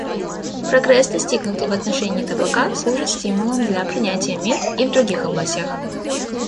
Прогресс, достигнутый в отношении табака, служит стимулом для принятия мер и в других областях.